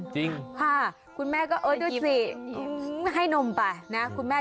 จริงค่ะคุณแม่ก็เอิ้นดูสิให้นมไปนะ